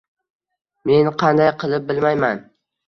men qanday qilib bilmayman.